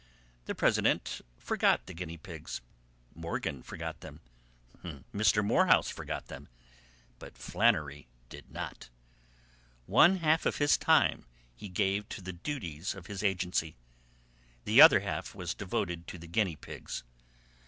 The president forgot the guinea pigs, Morgan forgot them, Mr. Morehouse forgot them, but Flannery did not. One half of his time he gave to the duties of his agency; the other half was devoted to the guinea pigs.